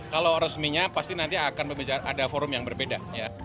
kalau resminya pasti nanti akan ada forum yang berbeda